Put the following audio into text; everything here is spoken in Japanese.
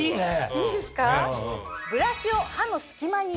いいですか？